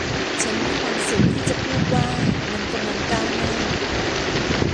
ฉันมีความสุขที่จะพูดว่ามันกำลังก้าวหน้า